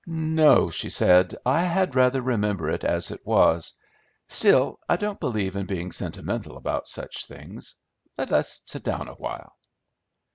"No," she said; "I had rather remember it as it was; still, I don't believe in being sentimental about such things. Let us sit down a while."